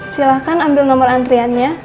silahkan ambil nomor antriannya